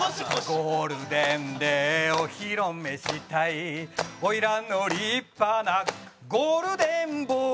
「ゴールデンでお披露目したい」「おいらの立派なゴールデンボール」